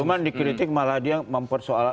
cuma di kritik malah dia mempersoal